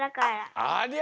ありゃ！